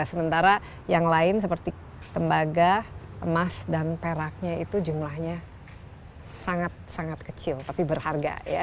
sementara yang lain seperti tembaga emas dan peraknya itu jumlahnya sangat sangat kecil tapi berharga ya